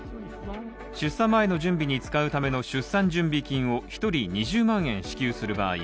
出産前の準備に使うための出産準備金を１人２０万円支給する場合